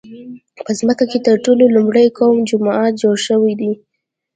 په ځمکه کې تر ټولو لومړی کوم جومات جوړ شوی دی؟